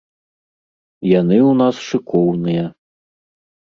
Яны ў нас шыкоўныя.